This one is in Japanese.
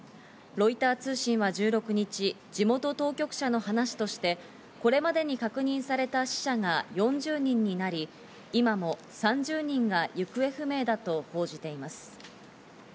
ロイター通信は１６日、地元当局者の話としてこれまでに確認された死者が４０人になり、今も３０人が行方不明だと報じています。